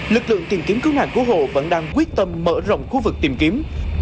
lực lượng tìm kiếm cứu nạn của hồ vẫn đang quyết tâm mở rộng khu vực tìm kiếm